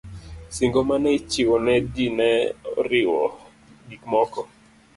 Singo ma ne ichiwo ne ji ne oriwo gik moko